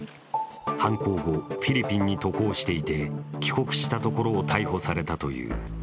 犯行後、フィリピンに渡航していて帰国したところを逮捕されたという。